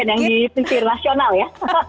bukan yang di sisi rasional ya